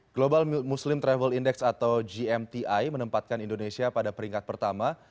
global muslim travel index atau gmti menempatkan indonesia pada peringkat pertama